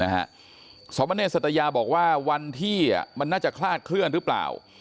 สมเนรสัตยาบอกว่าวันที่มันน่าจะคลาดเคลื่อนหรือเปล่า